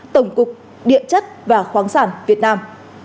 tổng cục điện chất và khoáng sản việt nam